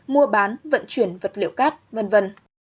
mua bán vận chuyển vật liệu cát v v